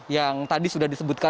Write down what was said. yang tadi sudah disebutkan